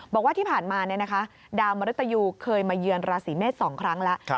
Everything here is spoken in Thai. บอกว่าที่ผ่านมาดาวมริตยูเคยมาเยือนราศีเมษ๒ครั้งแล้ว